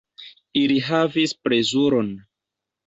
Ili havis plezuron.